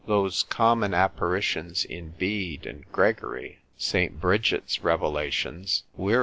Those common apparitions in Bede and Gregory, Saint Bridget's revelations, Wier.